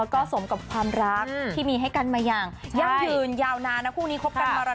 ก็สมกับความรักที่มีให้กันมาอย่างยั่งอยู่อยู่ยาวนานนักพู่